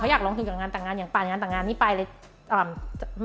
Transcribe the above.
เขาอยากลงทุนกับงานต่างงานอย่างป่านงานต่างงานนี้ไปเลย